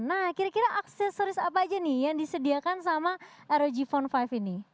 nah kira kira aksesoris apa aja nih yang disediakan sama rog phone lima ini